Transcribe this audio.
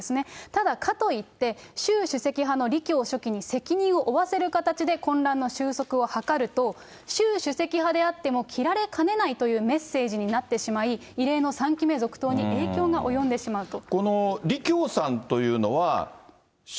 ただ、かといって、習主席は李強書記に責任を負わせる形で混乱の収束を図ると、習主席派であっても切られかねないというメッセージになってしまい、異例の３期目続投に影響が及んでしまうと。